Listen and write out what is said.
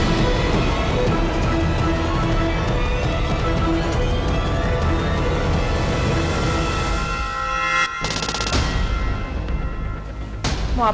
sampai jumpa lagi mas